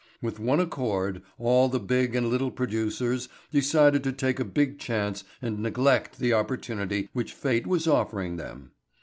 With one accord all the big and little producers decided to take a big chance and neglect the opportunity which fate was offering them.